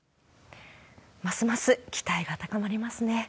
ますます期待が高まりますね。